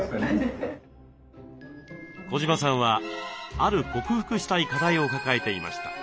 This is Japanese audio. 児島さんはある克服したい課題を抱えていました。